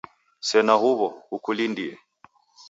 Sena huw'o, kukulindie.